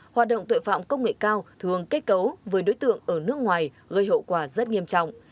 hoạt động tội phạm công nghệ cao thường kết cấu với đối tượng ở nước ngoài gây hậu quả rất nghiêm trọng